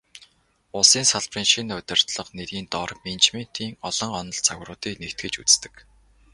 Улсын салбарын шинэ удирдлага нэрийн доор менежментийн олон онол, загваруудыг нэгтгэж үздэг.